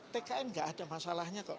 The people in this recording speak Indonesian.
tkn nggak ada masalahnya kok